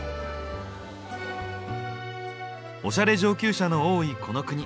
オシャレ上級者の多いこの国。